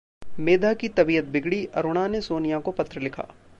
मेधा की तबीयत बिगड़ी, अरुणा ने सोनिया को पत्र लिखा